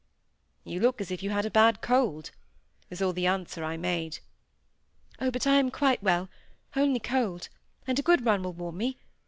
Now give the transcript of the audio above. "You look as if you had a bad cold," was all the answer I made. "Oh! but I am quite well, only cold; and a good run will warm me.